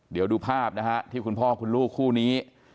เดี๋ยวดูภาพนะฮะที่คุณพ่อคุณลูกคู่นี้